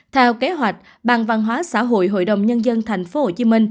theo kế hoạch ban văn hóa xã hội hội đồng nhân dân tp hcm